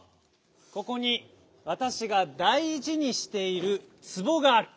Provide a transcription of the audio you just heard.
ここにわたしが大じにしているつぼがある。